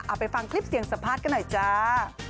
ไปฟังคลิปเสียงสัมภาษณ์กันหน่อยจ้า